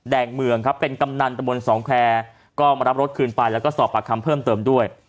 งเมืองครับเป็นกำนันตะบนสองแคร์ก็มารับรถคืนไปแล้วก็สอบปากคำเพิ่มเติมด้วย